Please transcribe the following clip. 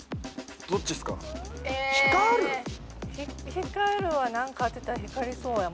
光るは何か当てたら光りそうやもんね。